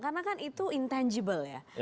karena kan itu intangible ya